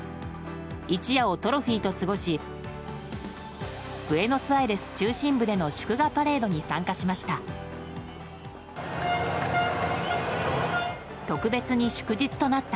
一夜をトロフィーと過ごしブエノスアイレス中心部での祝賀パレードに参加しました。